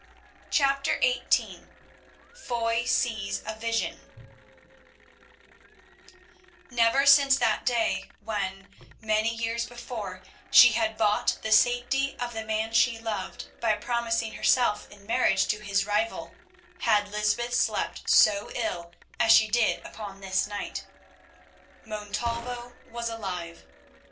CHAPTER XVIII FOY SEES A VISION Never since that day when, many years before, she had bought the safety of the man she loved by promising herself in marriage to his rival, had Lysbeth slept so ill as she did upon this night. Montalvo was alive.